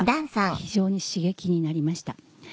非常に刺激になりました。